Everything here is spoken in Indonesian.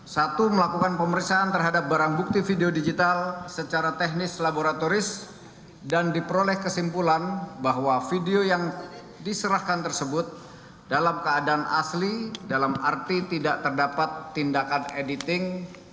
satu melakukan pemeriksaan terhadap barang bukti video digital secara teknis laboratoris dan diperoleh kesimpulan bahwa video yang diserahkan tersebut dalam keadaan asli dalam arti tidak terdapat tindakan editing